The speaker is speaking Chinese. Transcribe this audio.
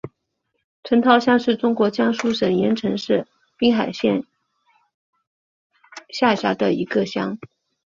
陈涛乡是中国江苏省盐城市滨海县下辖的一个乡。